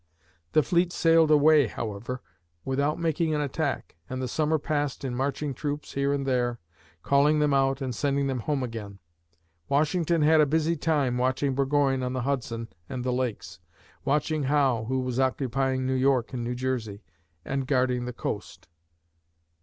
The fleet sailed away, however, without making an attack and the summer passed in marching troops here and there calling them out and sending them home again. Washington had a busy time watching Burgoyne on the Hudson and the lakes, watching Howe, who was occupying New York and New Jersey, and guarding the coast.